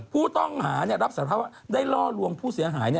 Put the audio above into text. ผู้ต้องหารับสารภาพว่าได้ล่อลวงผู้เสียหาย